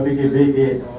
dan kita berpikir pikir